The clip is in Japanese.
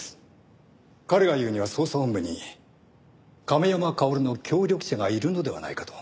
彼が言うには捜査本部に亀山薫の協力者がいるのではないかと。